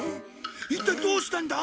一体どうしたんだ？